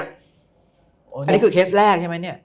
อันนี้คือเคสแรกใช่ไหมเนี่ย